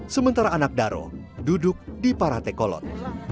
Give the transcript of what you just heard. sementara anak daro duduk di parate kolot